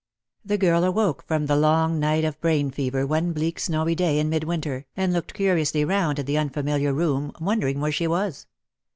The girl awoke from the long night of brain fever one bleak snowy day in midwinter, and looked curiously round at the unfamiliar room, wondering where she was.